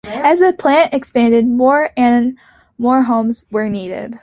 As the plant expanded, more and more homes were needed.